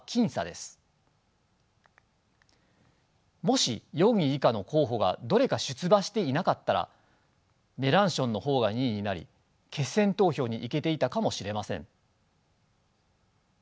もし４位以下の候補がどれか出馬していなかったらメランションの方が２位になり決選投票に行けていたかもしれません。